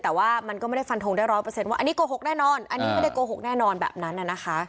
แต่ว่ามันก็ไม่ได้ฟันทงได้ร้อยเปอร์เซ็นว่าอันนี้โกหกแน่นอนอันนี้ไม่ได้โกหกแน่นอนแบบนั้นนะคะ